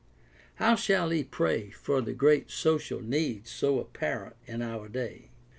How shall he pray for the great social needs so apparent in our day?